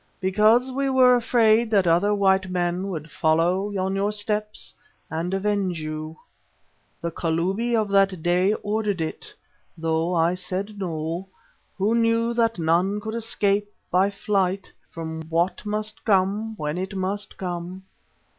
"Because we were afraid that other white men would follow on your steps and avenge you. The Kalubi of that day ordered it, though I said No, who knew that none can escape by flight from what must come when it must come.